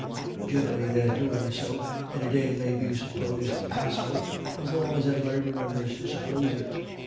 Generally their doing so any day may be supposed possible as long as anybody remembers to suppose it.